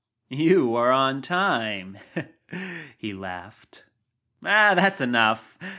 "You are on time," he laughed. "That's enough.